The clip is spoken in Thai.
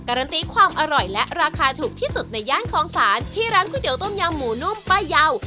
ันตีความอร่อยและราคาถูกที่สุดในย่านคลองศาลที่ร้านก๋วยเตีต้มยำหมูนุ่มป้ายาว